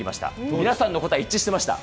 皆さんの答え一致してました。